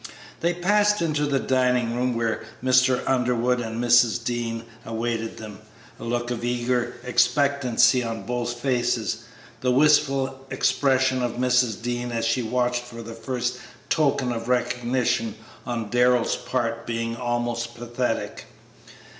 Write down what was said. They passed into the dining room where Mr. Underwood and Mrs. Dean awaited them, a look of eager expectancy on both faces, the wistful expression of Mrs. Dean as she watched for the first token of recognition on Darrell's part being almost pathetic.